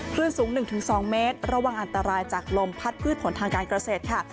คลื่นสูง๑๒เมตรระวังอันตรายจากลมพัดพืชผลทางการเกษตรค่ะ